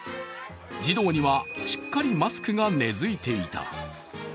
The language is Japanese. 児童にはしっかりマスクが根づいていた。